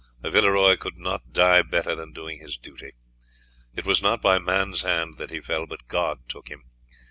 A Villeroy could not die better than doing his duty. It was not by man's hand that he fell, but God took him.